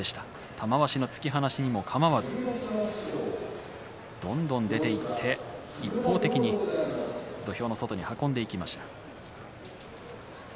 玉鷲の突き放しもかまわずどんどん出ていって一方的に土俵の外に運んでいきました。